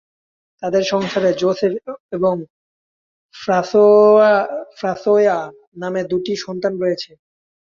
তাদের সংসারে জোসেফ এবং ফ্রাঁসোয়া নামে দু'টি সন্তান রয়েছে।